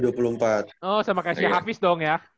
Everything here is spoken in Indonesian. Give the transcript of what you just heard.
oh sama kayak si hafiz dong ya